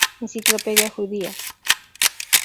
Enciclopedia judía